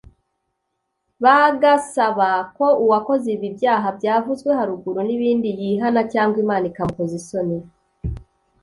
bagasaba ko uwakoze ibi byaha byavuzwe haruguru n’ibindi yihana cyangwa Imana ikamukoza isoni